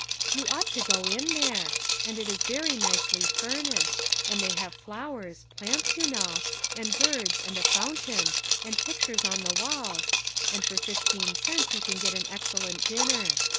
You ought to go in there ; it is very nicely furnished, and they have flowers, plants, you know, and birds, and a fountain, and pictures on the walls, and for fifteen cents you can get an excellent THE PAST AND PRESENT. 431 dinner.